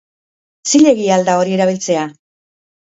Zilegi al da hori erabiltzea?